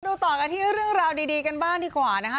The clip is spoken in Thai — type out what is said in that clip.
ต่อกันที่เรื่องราวดีกันบ้างดีกว่านะคะ